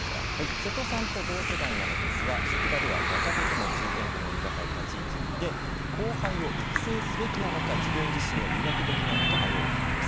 瀬戸さんと同世代なのですが職場では若手とも中堅とも言いがたい立ち位置にいて後輩を育成すべきなのか自分自身を磨くべきなのか迷う日々です。